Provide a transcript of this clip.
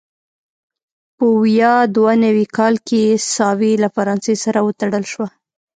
په ویا دوه نوي کال کې ساوې له فرانسې سره وتړل شوه.